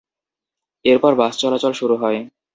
এরপর বাস চলাচল শুরু হয়।